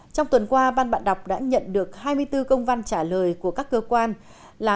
trong tuần qua ban bạn đọc đã nhận được hai mươi bốn công văn trả lời của các cơ quan là